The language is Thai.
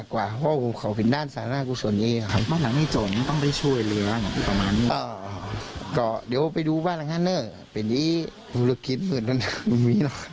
ถ้าหลุดกลัวไข้กับคุณมาวะเออมันหนึ่ง